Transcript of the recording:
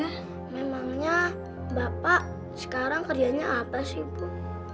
emangnya bapak sekarang kerjanya apa sih bu